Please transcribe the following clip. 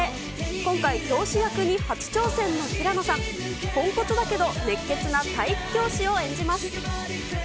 今回、教師役に初挑戦の平野さん。ポンコツだけど、熱血な体育教師を演じます。